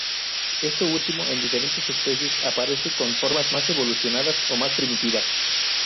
Esto último en diferentes especies aparece con formas más evolucionadas o más primitivas.